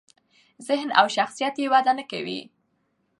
ذهن او شخصیت یې وده نکوي.